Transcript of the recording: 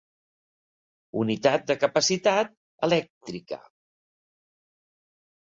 Unitat de capacitat elèctrica.